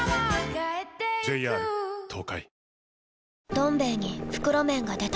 「どん兵衛」に袋麺が出た